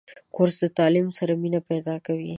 کورس د تعلیم سره مینه پیدا کوي.